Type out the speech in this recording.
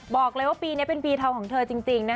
บอกเลยว่าปีตกล้องของเธอจริง